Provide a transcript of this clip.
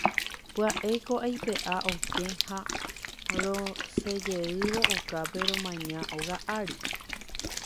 Pya'éko aipe'a okẽ ha rosẽjeývo okápe romaña óga ári.